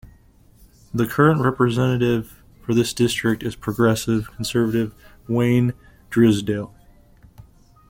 The current representative for this district is Progressive Conservative Wayne Drysdale.